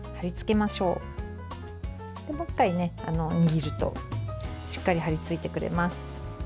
もう１回握るとしっかり貼りついてくれます。